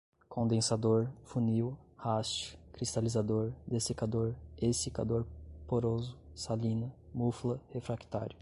condensador, funil, haste, cristalizador, dessecador, exsicador, poroso, salina, mufla, refractário